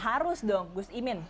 harus dong gus imin